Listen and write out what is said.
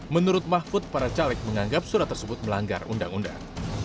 menurut mahfud para caleg menganggap surat tersebut melanggar undang undang